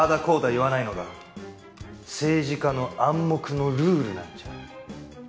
言わないのが政治家の暗黙のルールなんじゃ？